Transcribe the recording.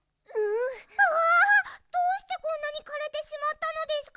あどうしてこんなにかれてしまったのですか？